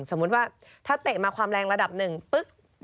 สมมุติว่าถ้าเตะมาความแรงระดับหนึ่งปุ๊บ